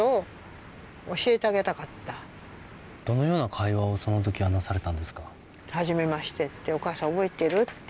どのような会話をその時はなされたんですか？